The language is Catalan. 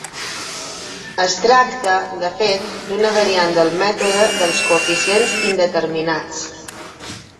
Es tracta, de fet, d'una variant del mètode dels coeficients indeterminats.